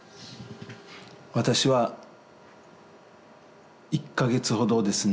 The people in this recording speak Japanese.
私は１か月ほどですね